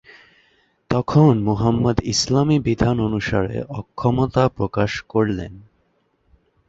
তখন মুহাম্মাদ ইসলামী বিধান অনুসারে অক্ষমতা প্রকাশ করলেন।